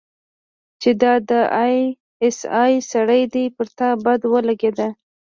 چې دا د آى اس آى سړى دى پر تا بده ولګېده.